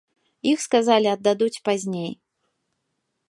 Іх, сказалі, аддадуць пазней.